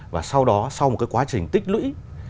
và sau đó sau một cái quá trình tích lũy